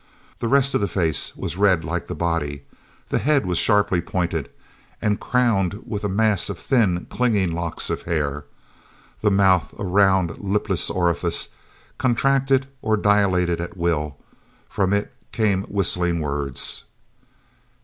The rest of the face was red like the body; the head was sharply pointed, and crowned with a mass of thin, clinging locks of hair. The mouth, a round, lipless orifice, contracted or dilated at will; from it came whistling words.